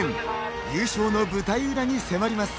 優勝の舞台裏に迫ります。